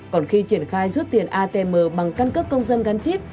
còn khi triển khai rút tiền atm bằng căn cước công dân gắn chip